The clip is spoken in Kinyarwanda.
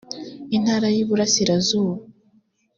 intara yiburasirazuba